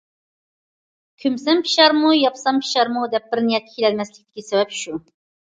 « كۆمسەم پىشارمۇ، ياپسام پىشارمۇ؟» دەپ بىر نىيەتكە كېلەلمەسلىكىدىكى سەۋەب شۇ.